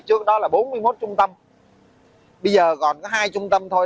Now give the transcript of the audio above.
trước đó là bốn mươi một trung tâm bây giờ còn có hai trung tâm thôi